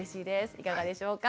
いかがでしょうか。